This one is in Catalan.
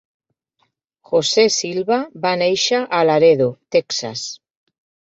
José Silva va néixer a Laredo, Texas.